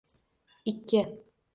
Ikki